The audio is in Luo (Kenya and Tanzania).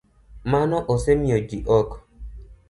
Mano osemiyo ji ok